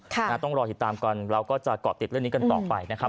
ต้องรอติดตามกันเราก็จะเกาะติดเรื่องนี้กันต่อไปนะครับ